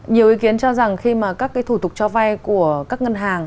nhiều ý kiến cho rằng khi mà các thủ tục cho vai của các ngân hàng